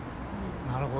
なるほど。